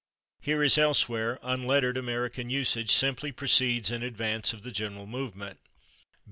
Here, as elsewhere, unlettered American usage simply proceeds in advance of the general movement.